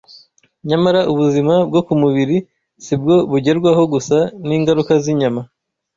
Nyamara ubuzima bwo ku mubiri sibwo bugerwaho gusa n’ingaruka z’inyama